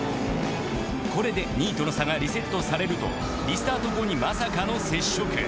これで２位との差がリセットされるとリスタート後にまさかの接触。